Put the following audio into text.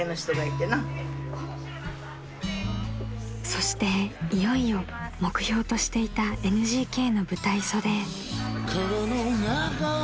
［そしていよいよ目標としていたＮＧＫの舞台袖へ］